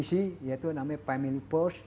dengan yang indonesia yaitu namanya family post